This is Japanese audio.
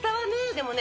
でもね